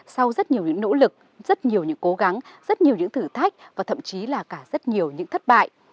sau rất nhiều những nỗ lực rất nhiều những cố gắng rất nhiều những thử thách và thậm chí là cả rất nhiều những thất bại